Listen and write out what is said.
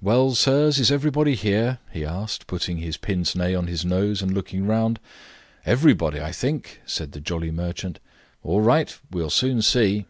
"Well, sirs, is everybody here?" he asked, putting his pince nez on his nose, and looking round. "Everybody, I think," said the jolly merchant. "All right; we'll soon see."